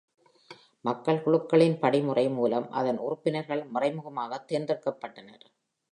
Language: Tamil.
மக்கள் குழுக்களின் படிமுறை மூலம் அதன் உறுப்பினர்கள் மறைமுகமாக தேர்ந்தெடுக்கப்பட்டனர்.